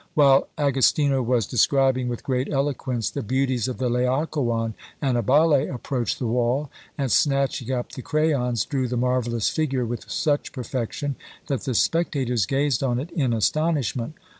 While Agostino was describing with great eloquence the beauties of the Laocoon, Annibale approached the wall, and snatching up the crayons, drew the marvellous figure with such perfection, that the spectators gazed on it in astonishment.